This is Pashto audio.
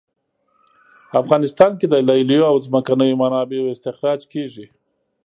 افغانستان کې د لیلیو او ځمکنیو منابعو استخراج کیږي